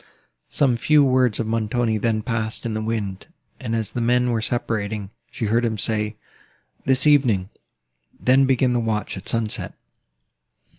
Some few words of Montoni then passed in the wind; and, as the men were separating, she heard him say, "This evening, then, begin the watch at sunset."